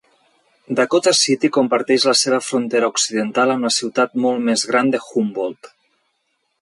Dakota City comparteix la seva frontera occidental amb la ciutat molt més gran de Humboldt.